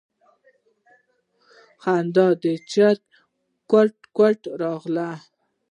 خندا د چرگې کوټ کوټ راغله.